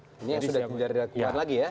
ini sudah jadi lagi ya